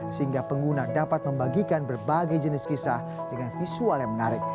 sehingga pengguna dapat membagikan berbagai jenis kisah dengan visual yang menarik